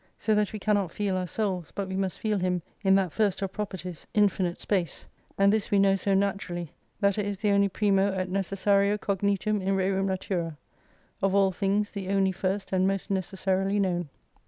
So that we cannot feel our souls, but we must feel Him, in that first of properties, infinite space. And this we know so naturally, that it is the only primo et necessario cognitum in rerim natural of all things the only first and most necessarily known.